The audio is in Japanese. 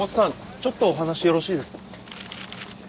ちょっとお話よろしいですか？